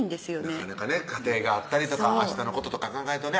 なかなかね家庭があったりとか明日のこととか考えるとね